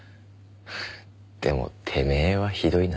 でもてめえはひどいな。